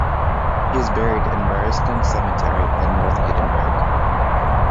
He is buried in Warriston Cemetery in north Edinburgh.